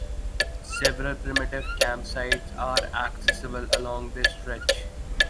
Several primitive campsites are accessible along this stretch.